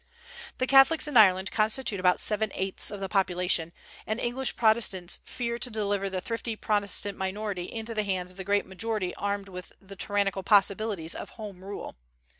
The Catholics in Ireland constitute about seven eighths of the population, and English Protestants fear to deliver the thrifty Protestant minority into the hands of the great majority armed with the tyrannical possibilities of Home Rule.